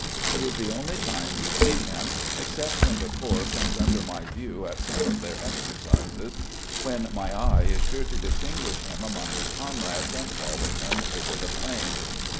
It is the only time we see him, except when the Corps come under my view at some of their exercises, when my eye is sure to distinguish him among his comrades and follow him over the plain.